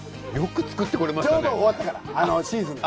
ちょうど終わったからシーズンが。